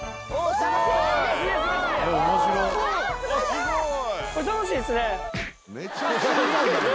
すごい。